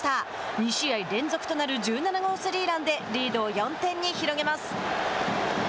２試合連続となる１７号スリーランでリードを４点に広げます。